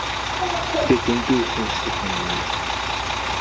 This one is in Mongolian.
Гэхдээ дэндүү их юм асуух юм.